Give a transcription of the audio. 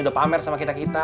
udah pamer sama kita kita